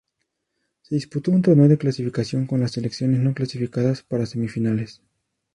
Se disputó un torneo de clasificación con las selecciones no clasificadas para semifinales.